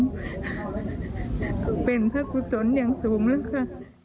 เป็นพระกุศลอย่างสูงแล้วค่ะ